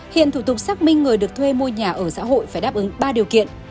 hiện thủ tục xác minh người được thuê mua nhà ở xã hội phải đáp ứng ba điều kiện